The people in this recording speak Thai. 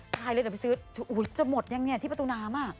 ตายเลยเดี๋ยวไปซื้อจะหมดยังเนี่ยที่ประตูน้ำอ่ะ